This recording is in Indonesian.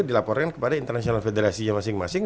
dilaporkan kepada international federasinya masing masing